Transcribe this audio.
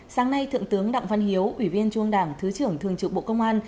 sáng nay thượng tướng đặng văn hiếu ủy viên trung ương đảng thứ trưởng thường trực bộ công an